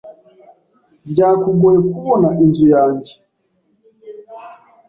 Byakugoye kubona inzu yanjye?